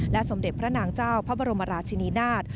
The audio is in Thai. สมเด็จพระนางเจ้าพระบรมราชินีนาฏ